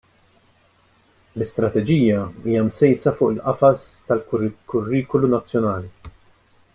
L-Istrateġija hija msejsa fuq il-Qafas tal-Kurrikulu Nazzjonali.